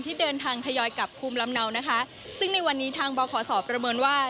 ที่เดินทางทยอยกับภูมิลำเนานะคะ